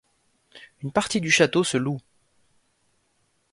Une partie du château se loue.